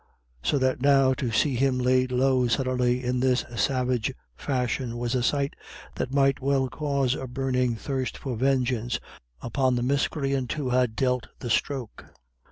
So that now to see him laid low suddenly in this savage fashion was a sight that might well cause a burning thirst for vengeance upon the miscreant who had dealt the stroke.